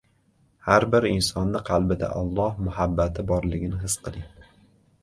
Har bir insonni qalbida Alloh muhabbati borligini his qiling.